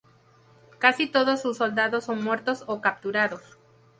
Casi todos sus soldados son muertos o capturados.